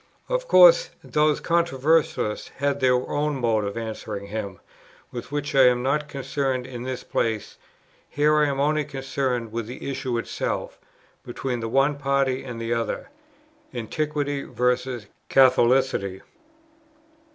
Of course those controversialists had their own mode of answering him, with which I am not concerned in this place; here I am only concerned with the issue itself, between the one party and the other Antiquity versus Catholicity.